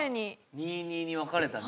２２に分かれたね